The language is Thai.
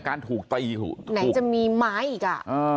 การถูกตีไหนจะมีม้ายอีกอ่ะ